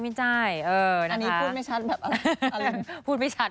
อันนี้พูดไม่ชัดแบบอะไร